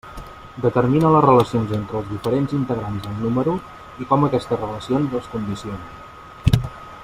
Determina les relacions entre els diferents integrants del número i com aquestes relacions els condicionen.